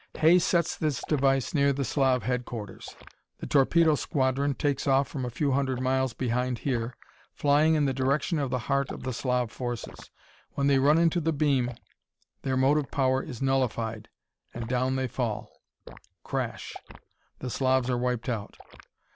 Hay sets this device near the Slav headquarters. The torpedo squadron takes off from a few hundred miles behind here, flying in the direction of the heart of the Slav forces. When they run into the beam, their motive power is nullified, and down they fall. Crash! The Slavs are wiped out.